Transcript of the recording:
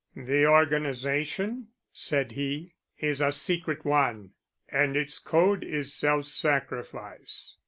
"The organization," said he, "is a secret one and its code is self sacrifice.